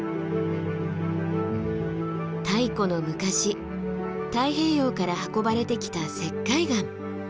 太古の昔太平洋から運ばれてきた石灰岩。